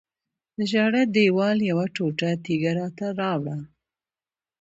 د ژړا دیوال یوه ټوټه تیږه راته راوړه.